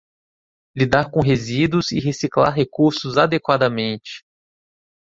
Lidar com resíduos e reciclar recursos adequadamente